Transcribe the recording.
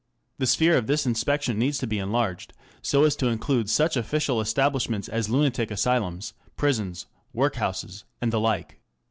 The sphere of this inspection needs to be enlarged so as to include such official establishments as lunatic asylums, prisons, work houses, and the like.